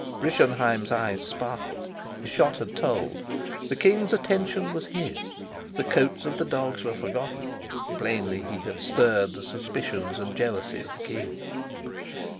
Rischenheim's eyes sparkled. His shot had told: the king's attention was his; the coats of the dogs were forgotten. Plainly he had stirred the suspicions and jealousy of the king.